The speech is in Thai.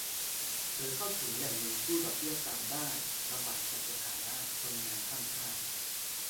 หรือเข้าถึงแหล่งเงินกู้ดอกเบี้ยต่ำได้ลำบากจากสถานะคนงานข้ามชาติ